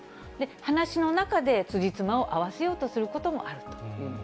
話の中で、つじつまを合わせようとすることもあると。